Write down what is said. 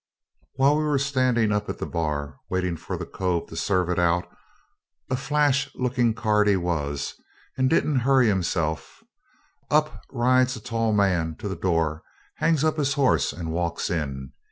While we was standing up at the bar, waiting for the cove to serve it out, a flash looking card he was, and didn't hurry himself, up rides a tall man to the door, hangs up his horse, and walks in.